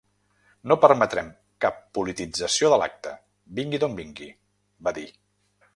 No permetrem cap politització de l’acte, vingui d’on vingui, va dir.